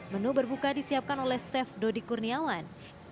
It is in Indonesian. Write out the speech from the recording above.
menu berbuka disiapkan oleh chef dodi kurniawan